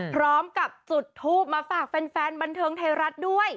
พร้อมกับจุดทูปมาฝากแฟนบันเทิงไทยรัฐด้วย